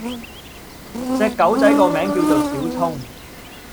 隻狗仔個名叫做小聰